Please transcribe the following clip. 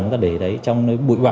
chúng ta để đấy trong nơi bụi bạo